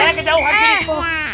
eh kejauh lagi